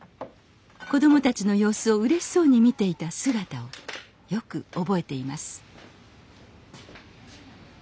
子どもたちの様子をうれしそうに見ていた姿をよく覚えています